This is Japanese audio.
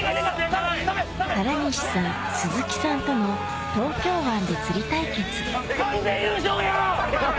原西さん鈴木さんとの東京湾で釣り対決完全優勝や‼